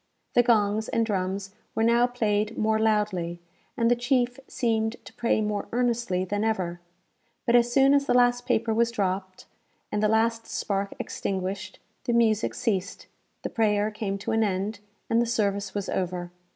The gongs and drums were now played more loudly, and the chief seemed to pray more earnestly than ever; but as soon as the last paper was dropped, and the last spark extinguished, the music ceased, the prayer came to an end, and the service was over.